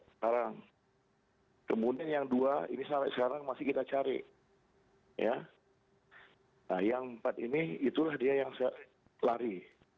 sekarang kemudian yang dua ini sampai sekarang masih kita cari ya yang empat ini itulah dia yang lari